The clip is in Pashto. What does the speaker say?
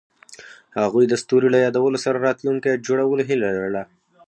هغوی د ستوري له یادونو سره راتلونکی جوړولو هیله لرله.